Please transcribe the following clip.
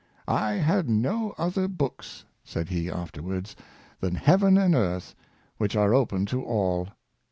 " I had no other books, ^' said he, afterwards, " than heaven and earth, which are open to all."